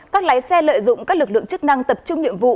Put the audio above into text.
các lái xe lợi dụng các lực lượng chức năng tập trung nhiệm vụ